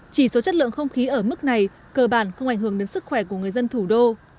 chỉ số chất lượng không khí ở mức này cơ bản không ảnh hưởng đến sức khỏe của người dân thủ đô